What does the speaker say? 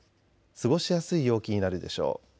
過ごしやすい陽気になるでしょう。